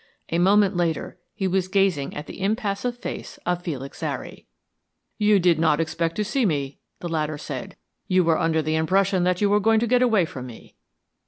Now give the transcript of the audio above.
A moment later, he was gazing at the impassive face of Felix Zary. "You did not expect to see me," the latter said. "You were under the impression that you were going to get away from me.